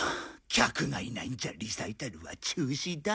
客がいないんじゃリサイタルは中止だ。